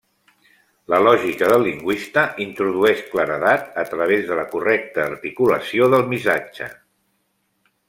La lògica del lingüista introdueix claredat a través de la correcta articulació del missatge.